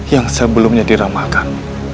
yang sebelumnya diramalkan